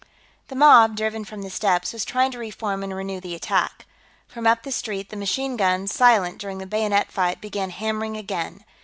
The mob, driven from the steps, was trying to reform and renew the attack. From up the street, the machine guns, silent during the bayonet fight, began hammering again.